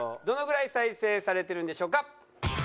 どのぐらい再生されてるんでしょうか？